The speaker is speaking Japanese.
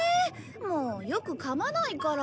もうよく噛まないから。